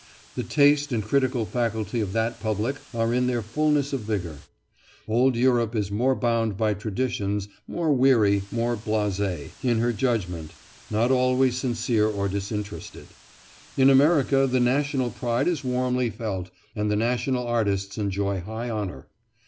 The taste and critical faculty of that public are in their fulness of vigour. Old Europe is more bound by traditions, more weary, more blase, in her judgment, not always sincere or disinterested. In America the national pride is warmly felt, and the national artists enjoy high honour.